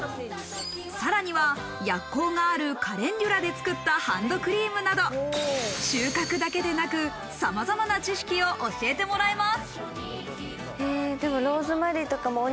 さらには薬効があるカレンデュラで作ったハンドクリームなど、収穫だけでなくさまざまな知識を教えてもらえます。